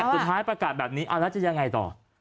สุดท้ายประกาศแบบนี้แล้วจะยังไงต่อ